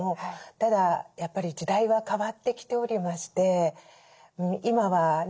ただやっぱり時代は変わってきておりまして今はね